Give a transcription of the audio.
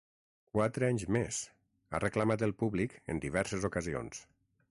Quatre anys més, ha reclamat el públic en diverses ocasions.